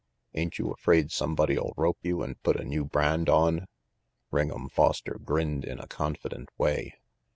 Ain't you afraid somebody'll rope you and put a new brand on?" Ring'em Foster grinned in a confident way.